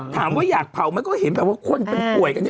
ถามว่าอยากเผ่ามันก็เห็นแบบว่าคนเป็นป่วยกัน